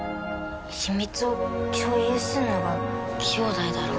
秘密を共有するのが兄弟だろ。